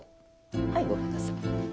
はいごめんなさい。